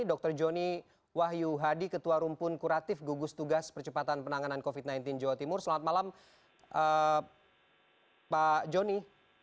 dr joni wahyu hadi ketua rumpun kuratif gugus tugas percepatan penanganan covid sembilan belas jawa timur selamat malam pak joni